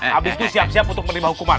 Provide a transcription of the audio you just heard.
habis itu siap siap untuk menerima hukuman